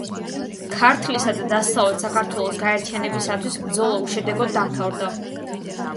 ქართლისა და დასავლეთ საქართველოს გაერთიანებისათვის ბრძოლა უშედეგოდ დამთავრდა.